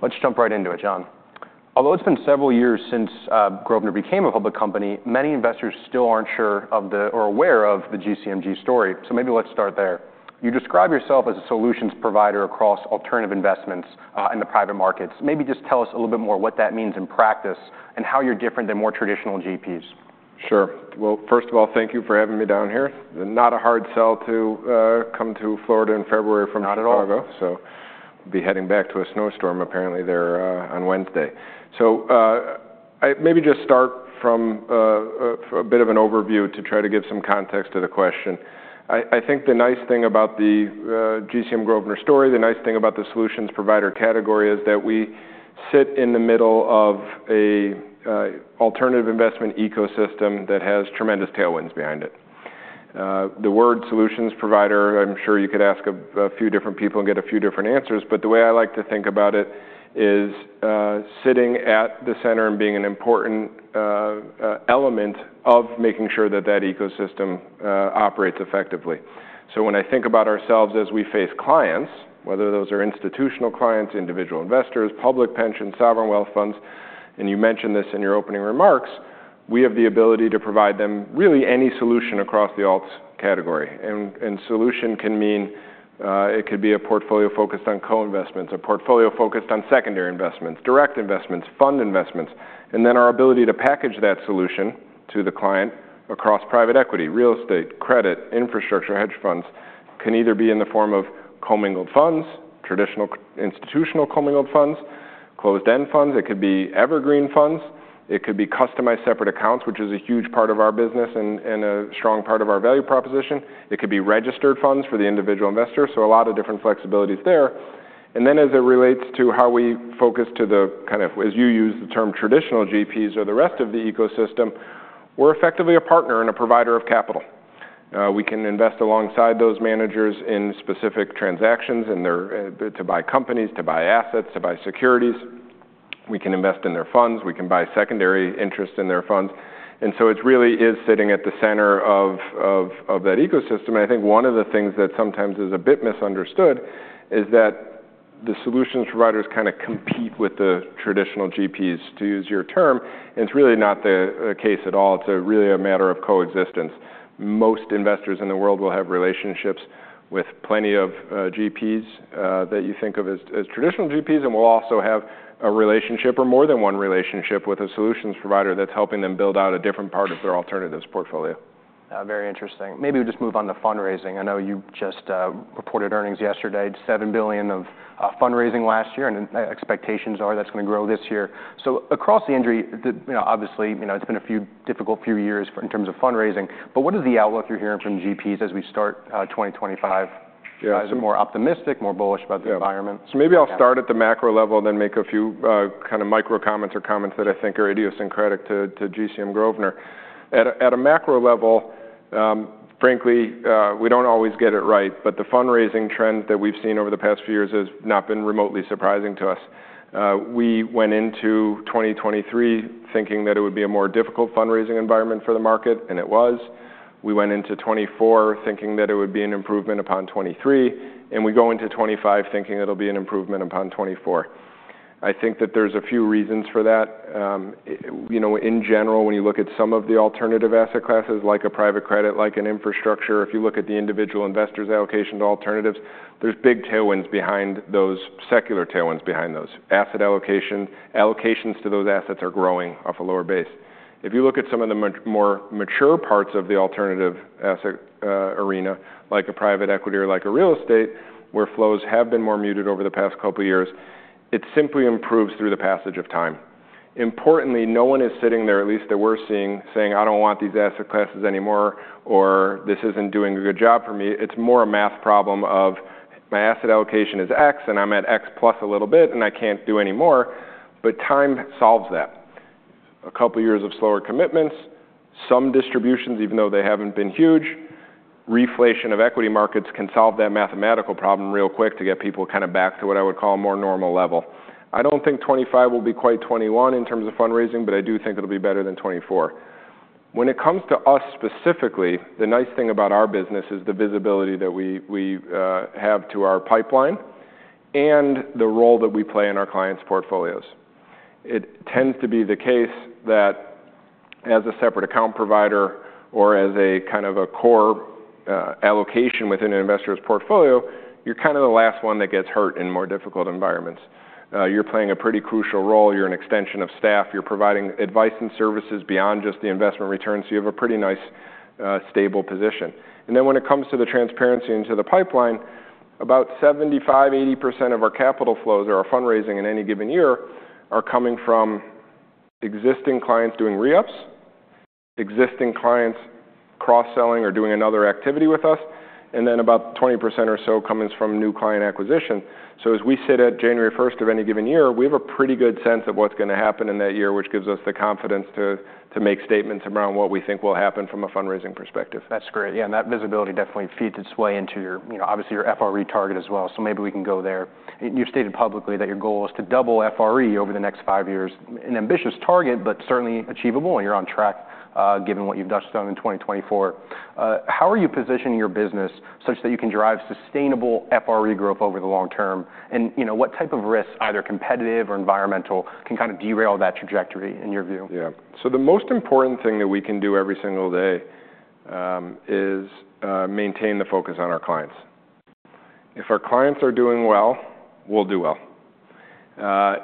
Let's jump right into it, Jon. Although it's been several years since Grosvenor became a public company, many investors still aren't sure of the, or aware of the GCMG story. So maybe let's start there. You describe yourself as a solutions provider across alternative investments in the private markets. Maybe just tell us a little bit more what that means in practice and how you're different than more traditional GPs? Sure. Well, first of all, thank you for having me down here. Not a hard sell to come to Florida in February from Chicago. Not at all. So I'll be heading back to a snowstorm, apparently, there on Wednesday. So maybe just start from a bit of an overview to try to give some context to the question. I think the nice thing about the GCM Grosvenor story, the nice thing about the solutions provider category, is that we sit in the middle of an alternative investment ecosystem that has tremendous tailwinds behind it. The word "solutions provider," I'm sure you could ask a few different people and get a few different answers, but the way I like to think about it is sitting at the center and being an important element of making sure that that ecosystem operates effectively. So when I think about ourselves as we face clients, whether those are institutional clients, individual investors, public pensions, sovereign wealth funds, and you mentioned this in your opening remarks, we have the ability to provide them really any solution across the alts category, and solution can mean it could be a portfolio focused on co-investments, a portfolio focused on secondary investments, direct investments, fund investments, and then our ability to package that solution to the client across private equity, real estate, credit, infrastructure, hedge funds can either be in the form of commingled funds, traditional institutional commingled funds, closed-end funds. It could be evergreen funds. It could be customized separate accounts, which is a huge part of our business and a strong part of our value proposition. It could be registered funds for the individual investor, so a lot of different flexibilities there. And then as it relates to how we focus to the kind of, as you use the term, traditional GPs or the rest of the ecosystem, we're effectively a partner and a provider of capital. We can invest alongside those managers in specific transactions to buy companies, to buy assets, to buy securities. We can invest in their funds. We can buy secondary interest in their funds. And so it really is sitting at the center of that ecosystem. And I think one of the things that sometimes is a bit misunderstood is that the solutions providers kind of compete with the traditional GPs, to use your term. And it's really not the case at all. It's really a matter of coexistence. Most investors in the world will have relationships with plenty of GPs that you think of as traditional GPs, and will also have a relationship, or more than one relationship, with a solutions provider that's helping them build out a different part of their alternatives portfolio. Very interesting. Maybe we just move on to fundraising. I know you just reported earnings yesterday, $7 billion of fundraising last year, and expectations are that's going to grow this year. So across the industry, obviously, it's been a difficult few years in terms of fundraising. But what is the outlook you're hearing from GPs as we start 2025? Some more optimistic, more bullish about the environment? Yeah. So maybe I'll start at the macro level and then make a few kind of micro comments or comments that I think are idiosyncratic to GCM Grosvenor. At a macro level, frankly, we don't always get it right, but the fundraising trend that we've seen over the past few years has not been remotely surprising to us. We went into 2023 thinking that it would be a more difficult fundraising environment for the market, and it was. We went into 2024 thinking that it would be an improvement upon 2023, and we go into 2025 thinking it'll be an improvement upon 2024. I think that there's a few reasons for that. In general, when you look at some of the alternative asset classes, like a private credit, like an infrastructure, if you look at the individual investors' allocation to alternatives, there's big tailwinds behind those secular tailwinds behind those. Asset allocations to those assets are growing off a lower base. If you look at some of the more mature parts of the alternative asset arena, like a private equity or like a real estate, where flows have been more muted over the past couple of years, it simply improves through the passage of time. Importantly, no one is sitting there, at least that we're seeing, saying, "I don't want these asset classes anymore," or, "This isn't doing a good job for me." It's more a math problem of, "My asset allocation is X, and I'm at X plus a little bit, and I can't do any more." But time solves that. A couple of years of slower commitments, some distributions, even though they haven't been huge, reflation of equity markets can solve that mathematical problem real quick to get people kind of back to what I would call a more normal level. I don't think 2025 will be quite 2021 in terms of fundraising, but I do think it'll be better than 2024. When it comes to us specifically, the nice thing about our business is the visibility that we have to our pipeline and the role that we play in our clients' portfolios. It tends to be the case that as a separate account provider or as a kind of a core allocation within an investor's portfolio, you're kind of the last one that gets hurt in more difficult environments. You're playing a pretty crucial role. You're an extension of staff. You're providing advice and services beyond just the investment return. So you have a pretty nice, stable position, and then when it comes to the transparency into the pipeline, about 75%-80% of our capital flows or our fundraising in any given year are coming from existing clients doing re-ups, existing clients cross-selling or doing another activity with us, and then about 20% or so comes from new client acquisition, so as we sit at January 1st of any given year, we have a pretty good sense of what's going to happen in that year, which gives us the confidence to make statements around what we think will happen from a fundraising perspective. That's great. Yeah, and that visibility definitely feeds its way into your, obviously, your FRE target as well. So maybe we can go there. You've stated publicly that your goal is to double FRE over the next five years. An ambitious target, but certainly achievable, and you're on track given what you've done in 2024. How are you positioning your business such that you can drive sustainable FRE growth over the long term? And what type of risks, either competitive or environmental, can kind of derail that trajectory in your view? Yeah, so the most important thing that we can do every single day is maintain the focus on our clients. If our clients are doing well, we'll do well.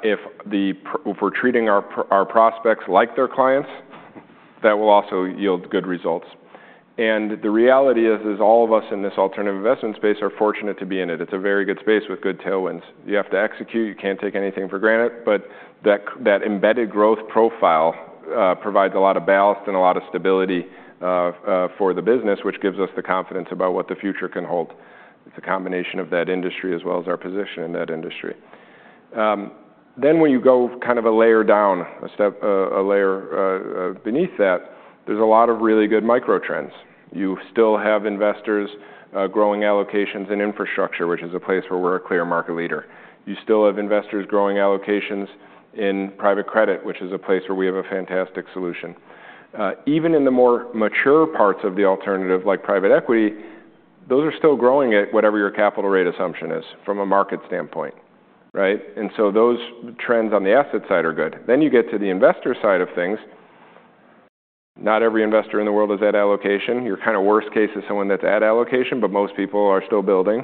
If we're treating our prospects like their clients, that will also yield good results, and the reality is, all of us in this alternative investment space are fortunate to be in it. It's a very good space with good tailwinds. You have to execute. You can't take anything for granted, but that embedded growth profile provides a lot of ballast and a lot of stability for the business, which gives us the confidence about what the future can hold. It's a combination of that industry as well as our position in that industry, then when you go kind of a layer down, a layer beneath that, there's a lot of really good micro trends. You still have investors growing allocations in infrastructure, which is a place where we're a clear market leader. You still have investors growing allocations in private credit, which is a place where we have a fantastic solution. Even in the more mature parts of the alternative, like private equity, those are still growing at whatever your capital rate assumption is from a market standpoint. And so those trends on the asset side are good. Then you get to the investor side of things. Not every investor in the world is at allocation. Your kind of worst case is someone that's at allocation, but most people are still building.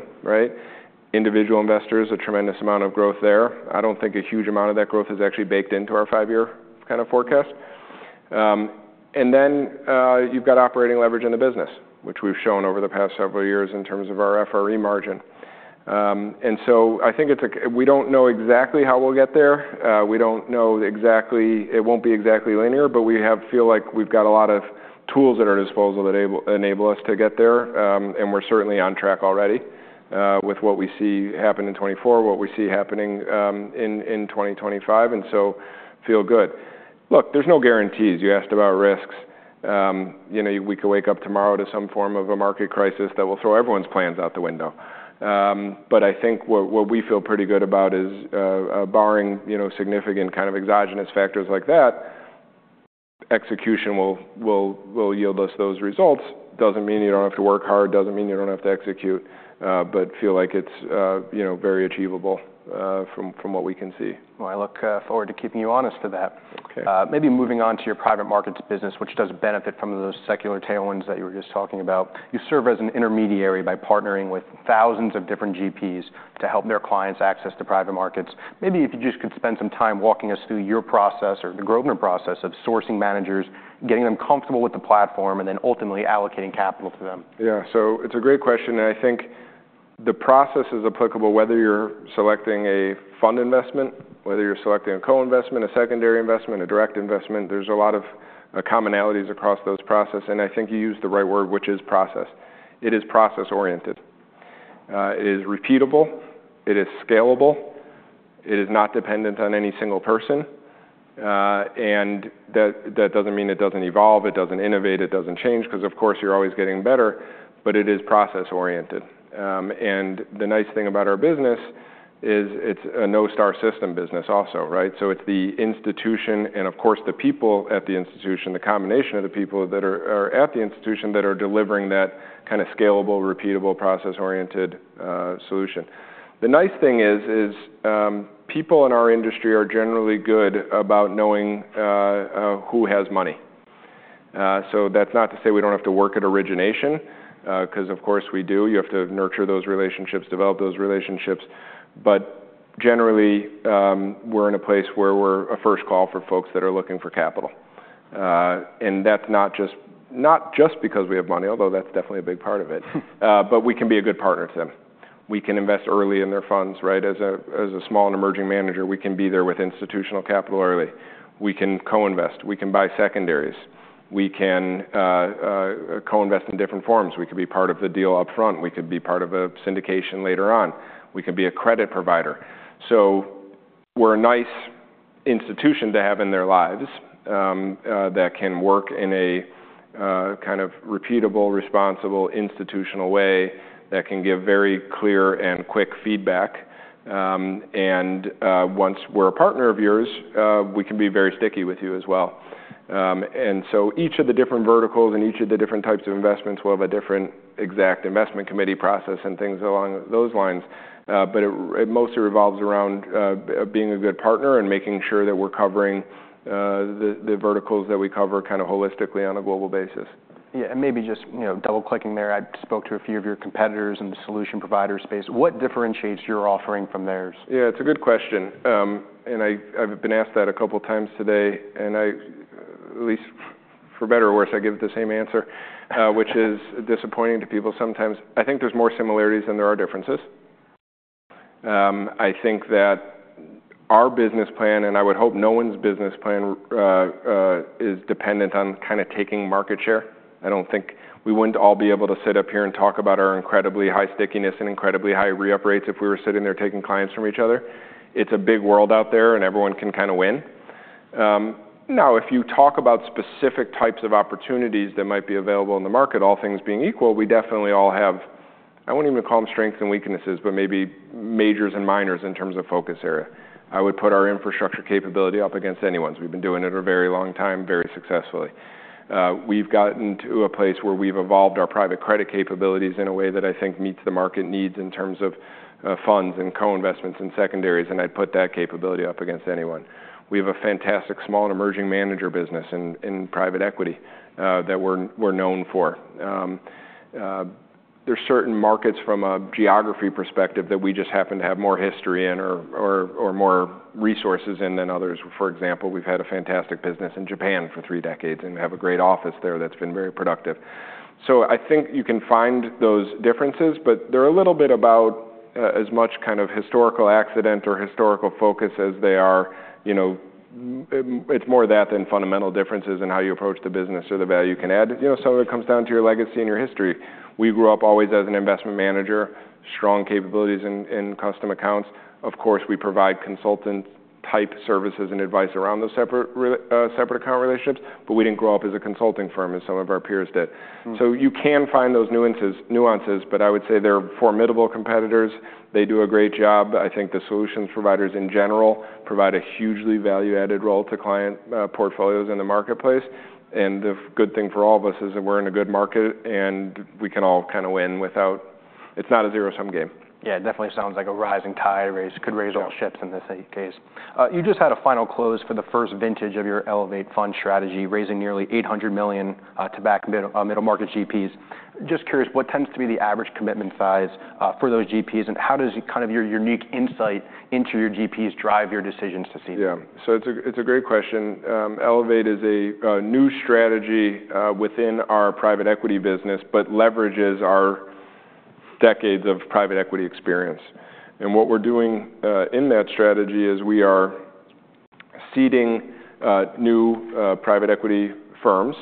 Individual investors, a tremendous amount of growth there. I don't think a huge amount of that growth is actually baked into our five-year kind of forecast. And then you've got operating leverage in the business, which we've shown over the past several years in terms of our FRE margin. And so I think we don't know exactly how we'll get there. We don't know exactly. It won't be exactly linear, but we feel like we've got a lot of tools at our disposal that enable us to get there. And we're certainly on track already with what we see happen in 2024, what we see happening in 2025, and so feel good. Look, there's no guarantees. You asked about risks. We could wake up tomorrow to some form of a market crisis that will throw everyone's plans out the window. But I think what we feel pretty good about is barring significant kind of exogenous factors like that, execution will yield us those results. Doesn't mean you don't have to work hard. Doesn't mean you don't have to execute, but feel like it's very achievable from what we can see. I look forward to keeping you honest for that. Okay. Maybe moving on to your private markets business, which does benefit from those secular tailwinds that you were just talking about. You serve as an intermediary by partnering with thousands of different GPs to help their clients access the private markets. Maybe if you just could spend some time walking us through your process or the Grosvenor process of sourcing managers, getting them comfortable with the platform, and then ultimately allocating capital to them. Yeah. So it's a great question. And I think the process is applicable whether you're selecting a fund investment, whether you're selecting a co-investment, a secondary investment, a direct investment. There's a lot of commonalities across those processes. And I think you used the right word, which is process. It is process-oriented. It is repeatable. It is scalable. It is not dependent on any single person. And that doesn't mean it doesn't evolve. It does innovate. It does change because, of course, you're always getting better. But it is process-oriented. And the nice thing about our business is it's a no-star system business also. So it's the institution and, of course, the people at the institution, the combination of the people that are at the institution that are delivering that kind of scalable, repeatable, process-oriented solution. The nice thing is people in our industry are generally good about knowing who has money. So that's not to say we don't have to work at origination because, of course, we do. You have to nurture those relationships, develop those relationships. But generally, we're in a place where we're a first call for folks that are looking for capital. And that's not just because we have money, although that's definitely a big part of it, but we can be a good partner to them. We can invest early in their funds. As a small and emerging manager, we can be there with institutional capital early. We can co-invest. We can buy secondaries. We can co-invest in different forms. We could be part of the deal upfront. We could be part of a syndication later on. We can be a credit provider. So we're a nice institution to have in their lives that can work in a kind of repeatable, responsible institutional way that can give very clear and quick feedback. And once we're a partner of yours, we can be very sticky with you as well. And so each of the different verticals and each of the different types of investments will have a different exact investment committee process and things along those lines. But it mostly revolves around being a good partner and making sure that we're covering the verticals that we cover kind of holistically on a global basis. Yeah. And maybe just double-clicking there. I spoke to a few of your competitors in the solution provider space. What differentiates your offering from theirs? Yeah. It's a good question. And I've been asked that a couple of times today. And at least for better or worse, I give the same answer, which is disappointing to people sometimes. I think there's more similarities than there are differences. I think that our business plan, and I would hope no one's business plan, is dependent on kind of taking market share. I don't think we wouldn't all be able to sit up here and talk about our incredibly high stickiness and incredibly high re-up rates if we were sitting there taking clients from each other. It's a big world out there, and everyone can kind of win. Now, if you talk about specific types of opportunities that might be available in the market, all things being equal, we definitely all have, I won't even call them strengths and weaknesses, but maybe majors and minors in terms of focus area. I would put our infrastructure capability up against anyone's. We've been doing it a very long time, very successfully. We've gotten to a place where we've evolved our private credit capabilities in a way that I think meets the market needs in terms of funds and co-investments and secondaries, and I'd put that capability up against anyone. We have a fantastic small and emerging manager business in private equity that we're known for. There are certain markets from a geography perspective that we just happen to have more history in or more resources in than others. For example, we've had a fantastic business in Japan for three decades and have a great office there that's been very productive. So I think you can find those differences, but they're a little bit about as much kind of historical accident or historical focus as they are. It's more that than fundamental differences in how you approach the business or the value you can add. Some of it comes down to your legacy and your history. We grew up always as an investment manager, strong capabilities in custom accounts. Of course, we provide consultant-type services and advice around those separate account relationships, but we didn't grow up as a consulting firm as some of our peers did. So you can find those nuances, but I would say they're formidable competitors. They do a great job. I think the solutions providers in general provide a hugely value-added role to client portfolios in the marketplace, and the good thing for all of us is that we're in a good market and we can all kind of win without it's not a zero-sum game. Yeah. It definitely sounds like a rising tide could raise all ships in this case. You just had a final close for the first vintage of your Elevate fund strategy, raising nearly $800 million to back middle-market GPs. Just curious, what tends to be the average commitment size for those GPs? And how does kind of your unique insight into your GPs drive your decisions to see them? Yeah. So it's a great question. Elevate is a new strategy within our private equity business, but leverages our decades of private equity experience. And what we're doing in that strategy is we are seeding new private equity firms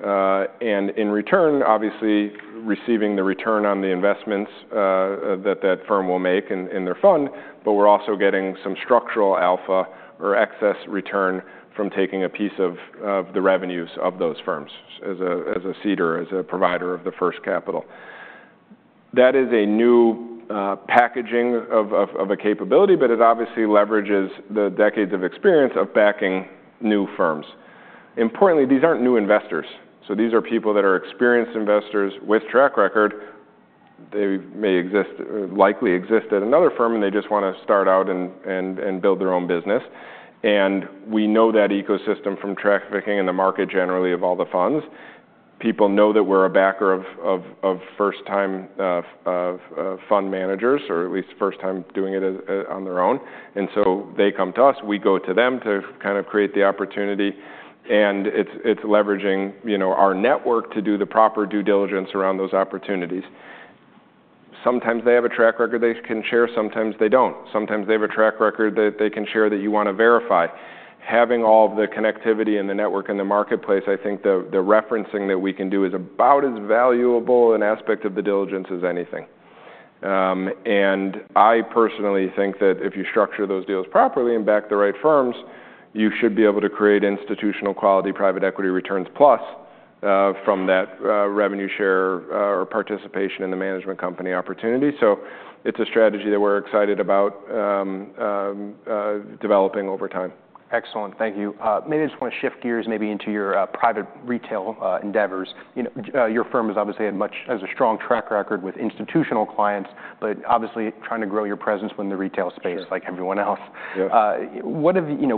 and in return, obviously, receiving the return on the investments that that firm will make in their fund, but we're also getting some structural alpha or excess return from taking a piece of the revenues of those firms as a seeder, as a provider of the first capital. That is a new packaging of a capability, but it obviously leverages the decades of experience of backing new firms. Importantly, these aren't new investors. So these are people that are experienced investors with track record. They may likely exist at another firm, and they just want to start out and build their own business. We know that ecosystem from trafficking in the market generally of all the funds. People know that we're a backer of first-time fund managers or at least first-time doing it on their own. They come to us. We go to them to kind of create the opportunity. It's leveraging our network to do the proper due diligence around those opportunities. Sometimes they have a track record they can share. Sometimes they don't. Sometimes they have a track record that they can share that you want to verify. Having all of the connectivity and the network in the marketplace, I think the referencing that we can do is about as valuable an aspect of the diligence as anything. And I personally think that if you structure those deals properly and back the right firms, you should be able to create institutional quality private equity returns plus from that revenue share or participation in the management company opportunity. So it's a strategy that we're excited about developing over time. Excellent. Thank you. Maybe I just want to shift gears maybe into your private retail endeavors. Your firm has obviously had a strong track record with institutional clients, but obviously trying to grow your presence in the retail space like everyone else. Yeah.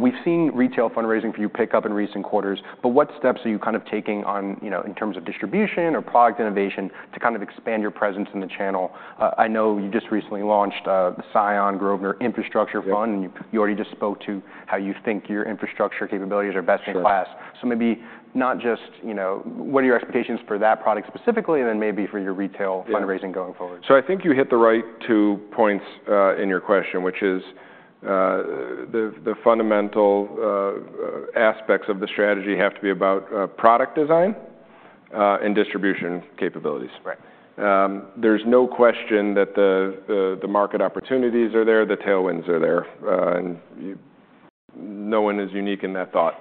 We've seen retail fundraising for you pick up in recent quarters, but what steps are you kind of taking in terms of distribution or product innovation to kind of expand your presence in the channel? I know you just recently launched the CION Grosvenor Infrastructure Fund, and you already just spoke to how you think your infrastructure capabilities are best in class. That's correct. Maybe not just what are your expectations for that product specifically and then maybe for your retail fundraising going forward? So I think you hit the right two points in your question, which is the fundamental aspects of the strategy have to be about product design and distribution capabilities. Right. There's no question that the market opportunities are there. The tailwinds are there. And no one is unique in that thought.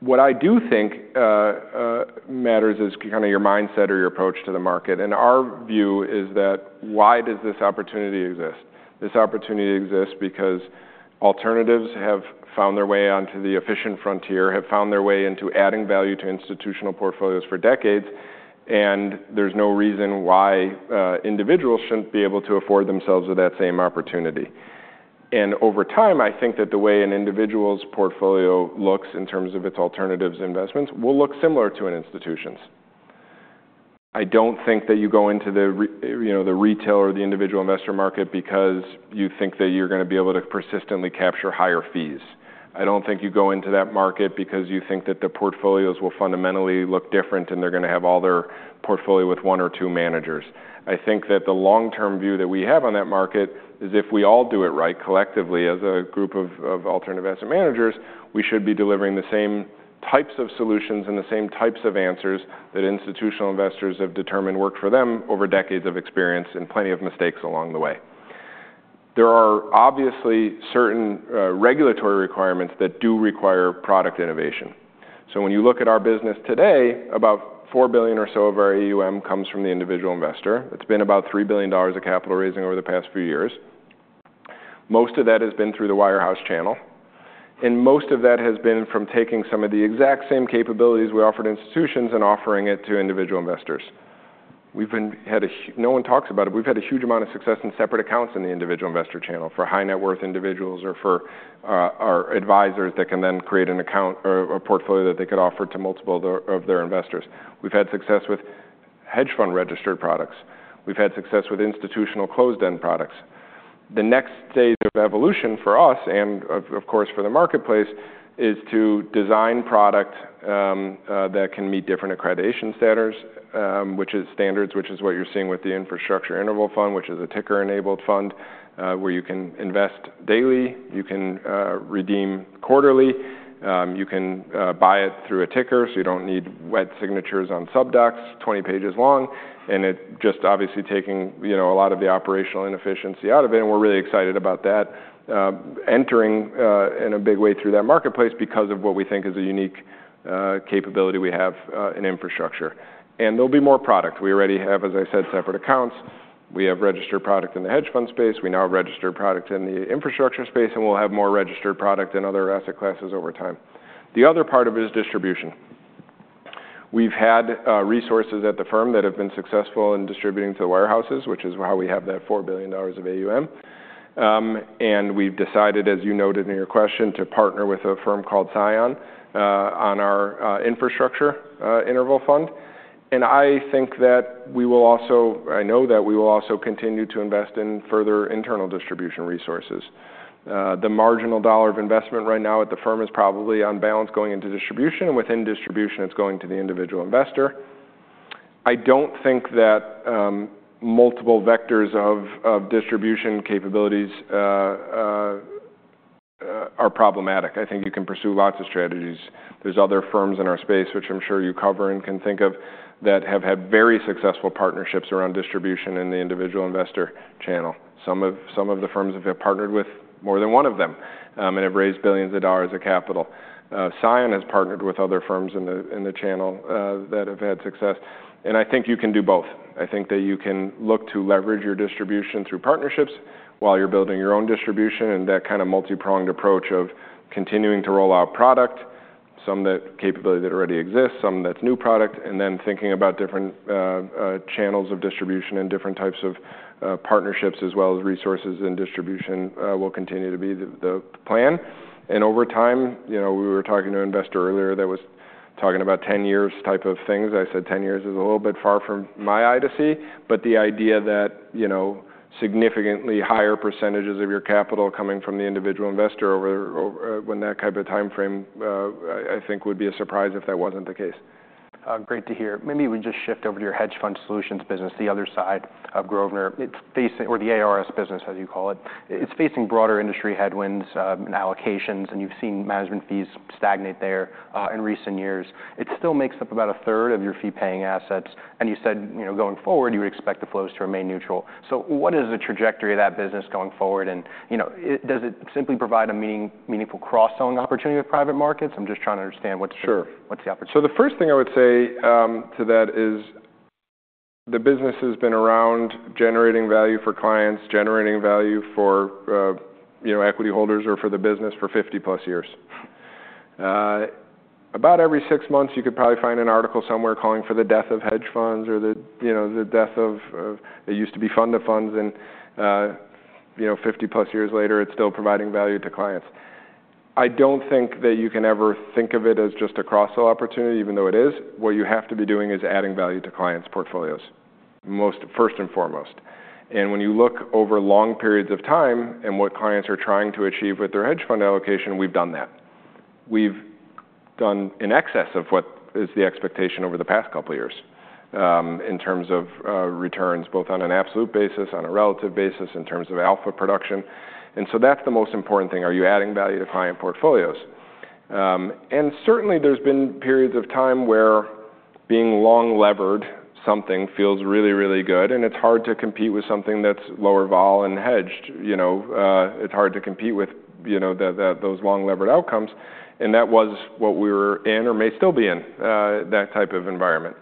What I do think matters is kind of your mindset or your approach to the market. And our view is that why does this opportunity exist? This opportunity exists because alternatives have found their way onto the efficient frontier, have found their way into adding value to institutional portfolios for decades, and there's no reason why individuals shouldn't be able to afford themselves with that same opportunity. And over time, I think that the way an individual's portfolio looks in terms of its alternatives and investments will look similar to an institution's. I don't think that you go into the retail or the individual investor market because you think that you're going to be able to persistently capture higher fees. I don't think you go into that market because you think that the portfolios will fundamentally look different and they're going to have all their portfolio with one or two managers. I think that the long-term view that we have on that market is if we all do it right collectively as a group of alternative asset managers, we should be delivering the same types of solutions and the same types of answers that institutional investors have determined work for them over decades of experience and plenty of mistakes along the way. There are obviously certain regulatory requirements that do require product innovation. So when you look at our business today, about $4 billion or so of our AUM comes from the individual investor. It's been about $3 billion of capital raising over the past few years. Most of that has been through the wirehouse channel. And most of that has been from taking some of the exact same capabilities we offered institutions and offering it to individual investors. No one talks about it, but we've had a huge amount of success in separate accounts in the individual investor channel for high-net-worth individuals or for our advisors that can then create a portfolio that they could offer to multiple of their investors. We've had success with hedge fund-registered products. We've had success with institutional closed-end products. The next stage of evolution for us and, of course, for the marketplace is to design product that can meet different accreditation standards, which is what you're seeing with the Infrastructure Interval Fund, which is a ticker-enabled fund where you can invest daily. You can redeem quarterly. You can buy it through a ticker, so you don't need wet signatures on sub docs, 20 pages long. And it's just obviously taking a lot of the operational inefficiency out of it. And we're really excited about that entering in a big way through that marketplace because of what we think is a unique capability we have in infrastructure. And there'll be more product. We already have, as I said, separate accounts. We have registered product in the hedge fund space. We now have registered product in the infrastructure space, and we'll have more registered product in other asset classes over time. The other part of it is distribution. We've had resources at the firm that have been successful in distributing to the wirehouses, which is how we have that $4 billion of AUM. And we've decided, as you noted in your question, to partner with a firm called CION on our Infrastructure Interval Fund. I think that we will also. I know that we will also continue to invest in further internal distribution resources. The marginal dollar of investment right now at the firm is probably on balance going into distribution. And within distribution, it's going to the individual investor. I don't think that multiple vectors of distribution capabilities are problematic. I think you can pursue lots of strategies. There's other firms in our space, which I'm sure you cover and can think of, that have had very successful partnerships around distribution in the individual investor channel. Some of the firms have partnered with more than one of them and have raised billions of dollars of capital. CION has partnered with other firms in the channel that have had success. And I think you can do both. I think that you can look to leverage your distribution through partnerships while you're building your own distribution and that kind of multi-pronged approach of continuing to roll out product, some capability that already exists, some that's new product, and then thinking about different channels of distribution and different types of partnerships as well as resources and distribution will continue to be the plan, and over time, we were talking to an investor earlier that was talking about 10 years type of things. I said 10 years is a little bit far from my eye to see, but the idea that significantly higher percentages of your capital coming from the individual investor over that type of timeframe, I think, would be a surprise if that wasn't the case. Great to hear. Maybe we just shift over to your hedge fund solutions business, the other side of Grosvenor, or the ARS business, as you call it. It's facing broader industry headwinds and allocations, and you've seen management fees stagnate there in recent years. It still makes up about a third of your fee-paying assets. And you said going forward, you would expect the flows to remain neutral. So what is the trajectory of that business going forward? And does it simply provide a meaningful cross-selling opportunity with private markets? I'm just trying to understand what's the opportunity? Sure, so the first thing I would say to that is the business has been around generating value for clients, generating value for equity holders or for the business for 50-plus years. About every six months, you could probably find an article somewhere calling for the death of hedge funds or the death of-it used to be fund of funds, and 50-plus years later, it's still providing value to clients. I don't think that you can ever think of it as just a cross-sell opportunity, even though it is. What you have to be doing is adding value to clients' portfolios, first and foremost, and when you look over long periods of time and what clients are trying to achieve with their hedge fund allocation, we've done that. We've done in excess of what is the expectation over the past couple of years in terms of returns, both on an absolute basis, on a relative basis, in terms of alpha production. And so that's the most important thing. Are you adding value to client portfolios? And certainly, there's been periods of time where being long-levered something feels really, really good, and it's hard to compete with something that's lower vol and hedged. It's hard to compete with those long-levered outcomes. And that was what we were in or may still be in, that type of environment.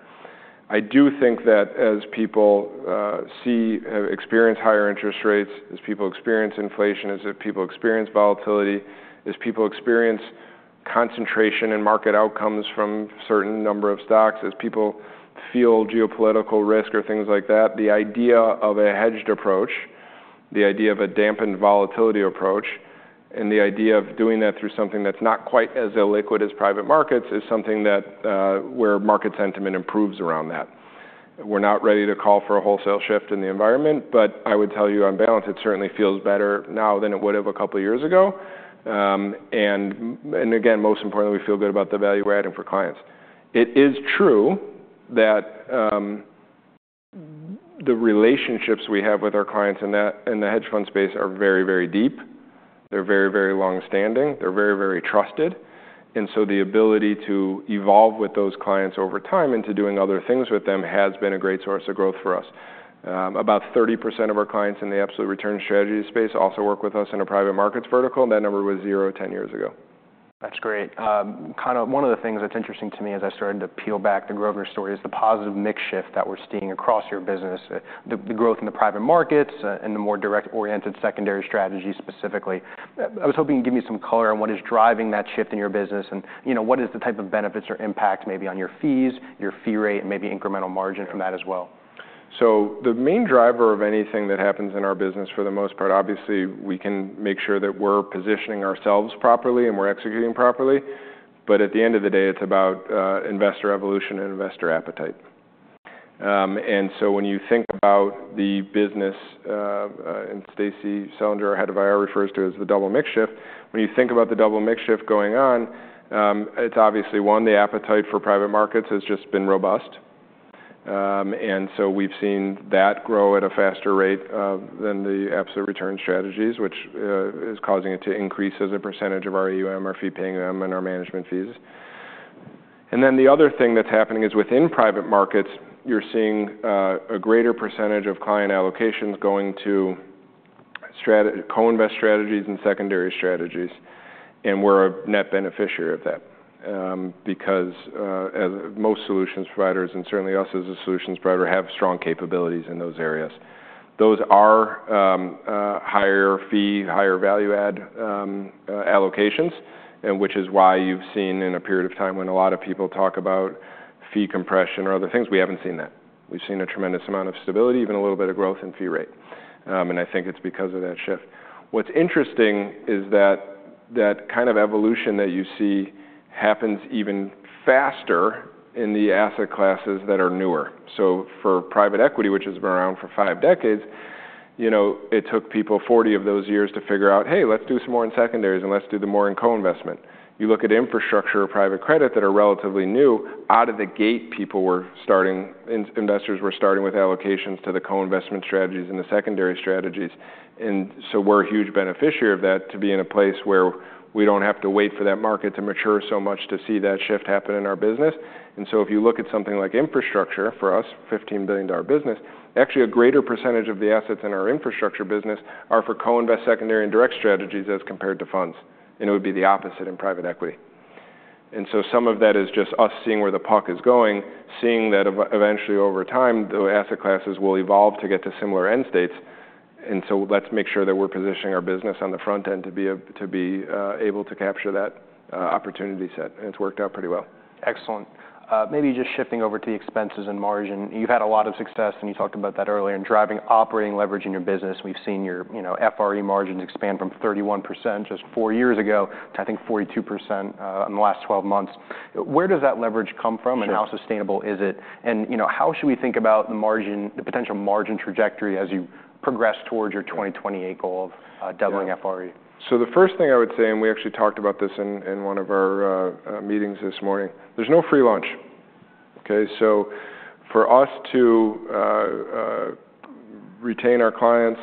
I do think that as people see and experience higher interest rates, as people experience inflation, as people experience volatility, as people experience concentration in market outcomes from a certain number of stocks, as people feel geopolitical risk or things like that, the idea of a hedged approach, the idea of a dampened volatility approach, and the idea of doing that through something that's not quite as illiquid as private markets is something where market sentiment improves around that. We're not ready to call for a wholesale shift in the environment, but I would tell you on balance, it certainly feels better now than it would have a couple of years ago. And again, most importantly, we feel good about the value we're adding for clients. It is true that the relationships we have with our clients in the hedge fund space are very, very deep. They're very, very long-standing. They're very, very trusted, and so the ability to evolve with those clients over time into doing other things with them has been a great source of growth for us. About 30% of our clients in the absolute return strategy space also work with us in a private markets vertical, and that number was zero 10 years ago. That's great. Kind of one of the things that's interesting to me as I started to peel back the Grosvenor story is the positive mix shift that we're seeing across your business, the growth in the private markets and the more direct-oriented secondary strategy specifically. I was hoping you'd give me some color on what is driving that shift in your business and what is the type of benefits or impact maybe on your fees, your fee rate, and maybe incremental margin from that as well. So the main driver of anything that happens in our business for the most part, obviously, we can make sure that we're positioning ourselves properly and we're executing properly. But at the end of the day, it's about investor evolution and investor appetite. And so when you think about the business, and Stacie Selinger, our head of IR, refers to it as the double mix shift, when you think about the double mix shift going on, it's obviously, one, the appetite for private markets has just been robust. And so we've seen that grow at a faster rate than the absolute return strategies, which is causing it to increase as a percentage of our AUM, our fee-paying AUM, and our management fees. And then the other thing that's happening is within private markets, you're seeing a greater percentage of client allocations going to co-invest strategies and secondary strategies. We're a net beneficiary of that because most solutions providers, and certainly us as a solutions provider, have strong capabilities in those areas. Those are higher fee, higher value-add allocations, which is why you've seen in a period of time when a lot of people talk about fee compression or other things, we haven't seen that. We've seen a tremendous amount of stability, even a little bit of growth in fee rate. I think it's because of that shift. What's interesting is that kind of evolution that you see happens even faster in the asset classes that are newer. So for private equity, which has been around for five decades, it took people 40 of those years to figure out, "Hey, let's do some more in secondaries and let's do the more in co-investment." You look at infrastructure or private credit that are relatively new, out of the gate, investors were starting with allocations to the co-investment strategies and the secondary strategies. And so we're a huge beneficiary of that to be in a place where we don't have to wait for that market to mature so much to see that shift happen in our business. And so if you look at something like infrastructure for us, a $15 billion business, actually a greater percentage of the assets in our infrastructure business are for co-invest secondary and direct strategies as compared to funds. And it would be the opposite in private equity. And so some of that is just us seeing where the puck is going, seeing that eventually over time, the asset classes will evolve to get to similar end states. And so let's make sure that we're positioning our business on the front end to be able to capture that opportunity set. And it's worked out pretty well. Excellent. Maybe just shifting over to the expenses and margin. You've had a lot of success, and you talked about that earlier, in driving operating leverage in your business. We've seen your FRE margins expand from 31% just four years ago to, I think, 42% in the last 12 months. Where does that leverage come from, and how sustainable is it? And how should we think about the potential margin trajectory as you progress towards your 2028 goal of doubling FRE? So the first thing I would say, and we actually talked about this in one of our meetings this morning, there's no free lunch. So for us to retain our clients,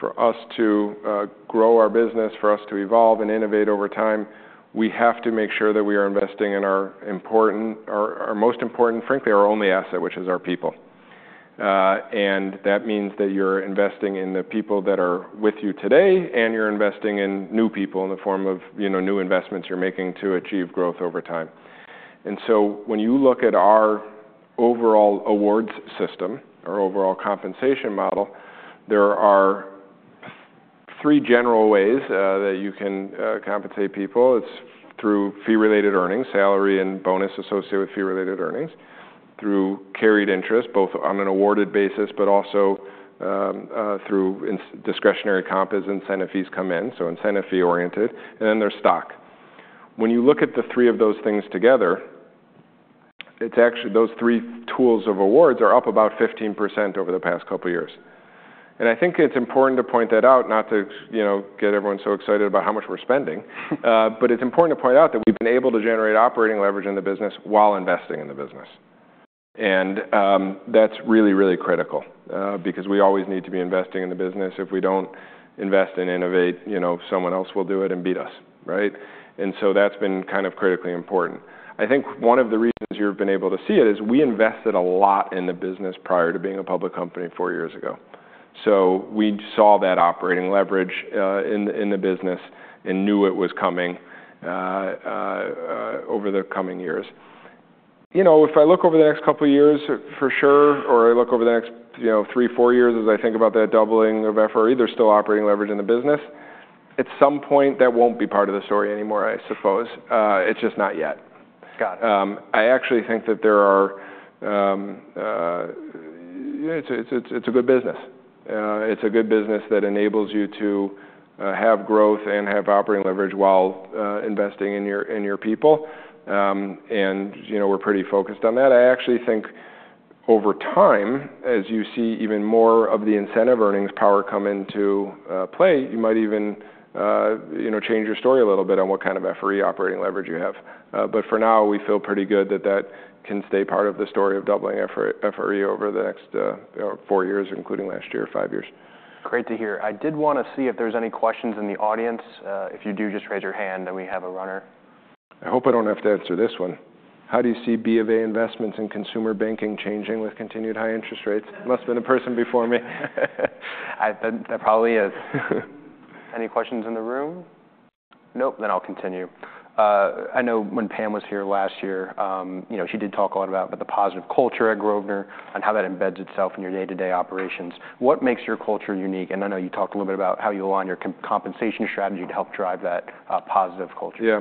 for us to grow our business, for us to evolve and innovate over time, we have to make sure that we are investing in our most important, frankly, our only asset, which is our people. And that means that you're investing in the people that are with you today, and you're investing in new people in the form of new investments you're making to achieve growth over time. And so when you look at our overall awards system or overall compensation model, there are three general ways that you can compensate people. It's through fee-related earnings, salary and bonus associated with fee-related earnings, through carried interest, both on an awarded basis, but also through discretionary comp as incentive fees come in, so incentive fee-oriented, and then there's stock. When you look at the three of those things together, those three tools of awards are up about 15% over the past couple of years. And I think it's important to point that out, not to get everyone so excited about how much we're spending, but it's important to point out that we've been able to generate operating leverage in the business while investing in the business. And that's really, really critical because we always need to be investing in the business. If we don't invest and innovate, someone else will do it and beat us. And so that's been kind of critically important. I think one of the reasons you've been able to see it is we invested a lot in the business prior to being a public company four years ago. So we saw that operating leverage in the business and knew it was coming over the coming years. If I look over the next couple of years, for sure, or I look over the next three, four years as I think about that doubling of FRE, there's still operating leverage in the business. At some point, that won't be part of the story anymore, I suppose. It's just not yet. I actually think that there are. It's a good business. It's a good business that enables you to have growth and have operating leverage while investing in your people, and we're pretty focused on that. I actually think over time, as you see even more of the incentive earnings power come into play, you might even change your story a little bit on what kind of FRE operating leverage you have. But for now, we feel pretty good that that can stay part of the story of doubling FRE over the next four years, including last year, five years. Great to hear. I did want to see if there's any questions in the audience. If you do, just raise your hand, and we have a runner. I hope I don't have to answer this one. How do you see B of A investments in consumer banking changing with continued high interest rates? Must have been a person before me. That probably is. Any questions in the room? Nope, then I'll continue. I know when Pam was here last year, she did talk a lot about the positive culture at Grosvenor and how that embeds itself in your day-to-day operations. What makes your culture unique? And I know you talked a little bit about how you align your compensation strategy to help drive that positive culture. Yeah.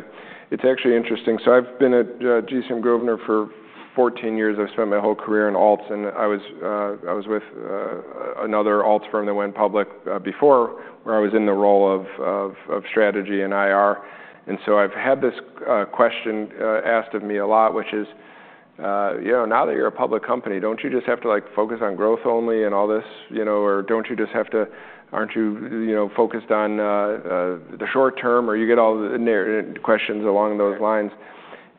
It's actually interesting. So I've been at GCM Grosvenor for 14 years. I've spent my whole career in alts, and I was with another alt firm that went public before where I was in the role of strategy and IR. And so I've had this question asked of me a lot, which is, "Now that you're a public company, don't you just have to focus on growth only and all this? Or don't you just have to, aren't you focused on the short term?" Or you get all the questions along those lines.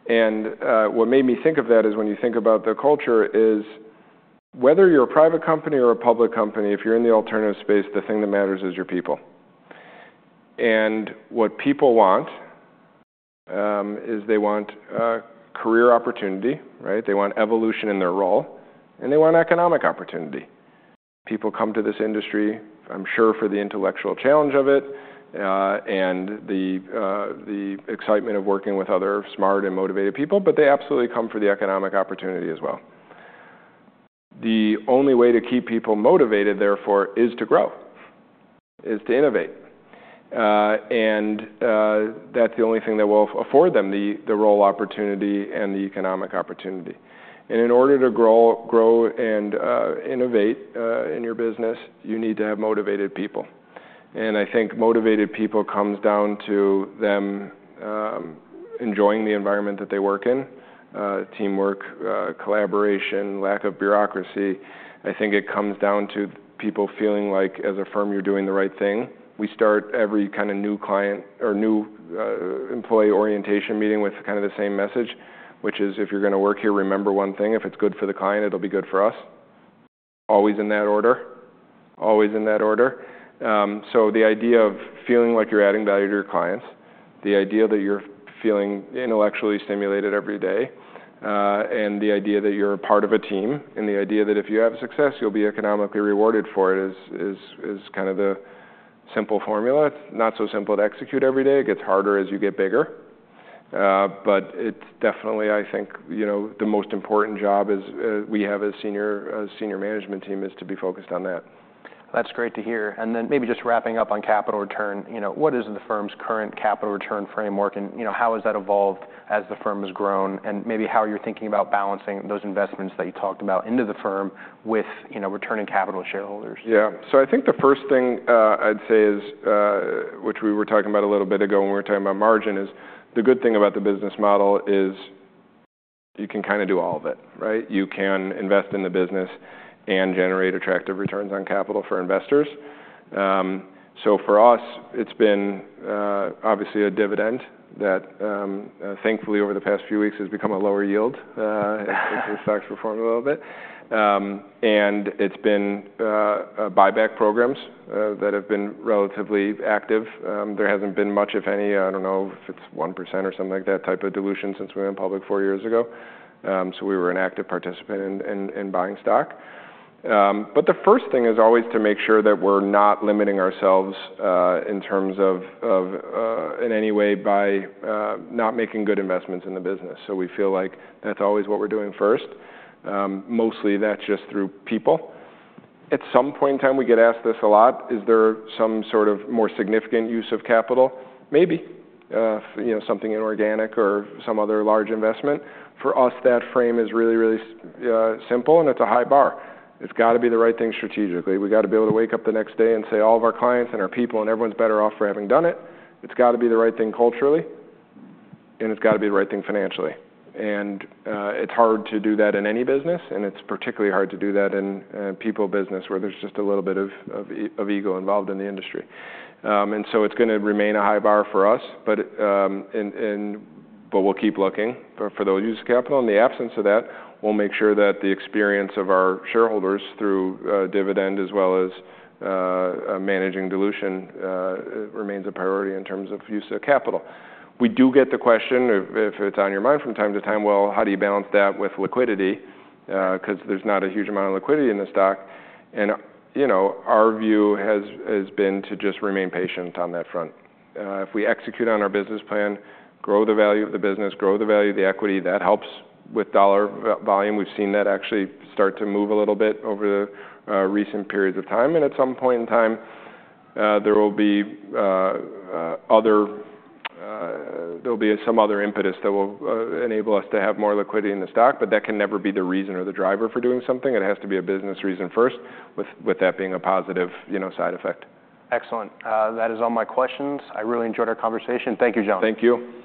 And what made me think of that is when you think about the culture, whether you're a private company or a public company, if you're in the alternative space, the thing that matters is your people. And what people want is they want career opportunity, they want evolution in their role, and they want economic opportunity. People come to this industry, I'm sure, for the intellectual challenge of it and the excitement of working with other smart and motivated people, but they absolutely come for the economic opportunity as well. The only way to keep people motivated, therefore, is to grow, is to innovate. And that's the only thing that will afford them the role opportunity and the economic opportunity. And in order to grow and innovate in your business, you need to have motivated people. And I think motivated people comes down to them enjoying the environment that they work in, teamwork, collaboration, lack of bureaucracy. I think it comes down to people feeling like, as a firm, you're doing the right thing. We start every kind of new client or new employee orientation meeting with kind of the same message, which is, "If you're going to work here, remember one thing. If it's good for the client, it'll be good for us." Always in that order, always in that order. So the idea of feeling like you're adding value to your clients, the idea that you're feeling intellectually stimulated every day, and the idea that you're a part of a team, and the idea that if you have success, you'll be economically rewarded for it is kind of the simple formula. It's not so simple to execute every day. It gets harder as you get bigger. But it's definitely, I think, the most important job we have as a senior management team is to be focused on that. That's great to hear. And then maybe just wrapping up on capital return, what is the firm's current capital return framework, and how has that evolved as the firm has grown, and maybe how you're thinking about balancing those investments that you talked about into the firm with returning capital to shareholders? Yeah. So I think the first thing I'd say is, which we were talking about a little bit ago when we were talking about margin, is the good thing about the business model is you can kind of do all of it. You can invest in the business and generate attractive returns on capital for investors. So for us, it's been obviously a dividend that, thankfully, over the past few weeks, has become a lower yield. I think the stocks performed a little bit. And it's been buyback programs that have been relatively active. There hasn't been much, if any. I don't know if it's 1% or something like that type of dilution since we went public four years ago. So we were an active participant in buying stock. But the first thing is always to make sure that we're not limiting ourselves in terms of in any way by not making good investments in the business. So we feel like that's always what we're doing first. Mostly, that's just through people. At some point in time, we get asked this a lot. Is there some sort of more significant use of capital? Maybe something inorganic or some other large investment. For us, that frame is really, really simple, and it's a high bar. It's got to be the right thing strategically. We've got to be able to wake up the next day and say, "All of our clients and our people and everyone's better off for having done it." It's got to be the right thing culturally, and it's got to be the right thing financially. It's hard to do that in any business, and it's particularly hard to do that in people business where there's just a little bit of ego involved in the industry. So it's going to remain a high bar for us, but we'll keep looking for those uses of capital. In the absence of that, we'll make sure that the experience of our shareholders through dividend as well as managing dilution remains a priority in terms of use of capital. We do get the question, if it's on your mind from time to time, "Well, how do you balance that with liquidity?" Because there's not a huge amount of liquidity in the stock. Our view has been to just remain patient on that front. If we execute on our business plan, grow the value of the business, grow the value of the equity, that helps with dollar volume. We've seen that actually start to move a little bit over the recent periods of time, and at some point in time, there will be some other impetus that will enable us to have more liquidity in the stock, but that can never be the reason or the driver for doing something. It has to be a business reason first, with that being a positive side effect. Excellent. That is all my questions. I really enjoyed our conversation. Thank you, Jon. Thank you.